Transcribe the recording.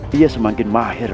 dia semakin mahir